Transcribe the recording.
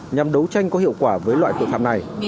nhằm đấu tranh có hiệu quả với loại tội phạm này